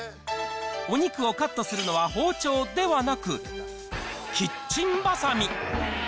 お肉をカットするのは包丁ではなく、キッチンばさみ。